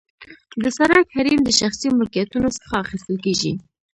د سرک حریم د شخصي ملکیتونو څخه اخیستل کیږي